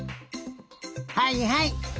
はいはい。